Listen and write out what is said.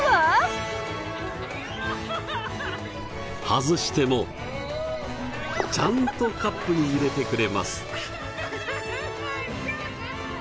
外してもちゃんとカップに入れてくれます。